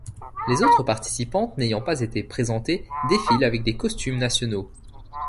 Les autres participantes n'ayant pas été présentées défilent avec des costumes nationaux.